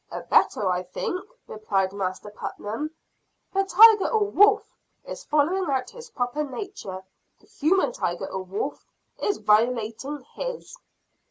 "A better, I think," replied Master Putnam. "The tiger or wolf is following out his proper nature; the human tiger or wolf is violating his."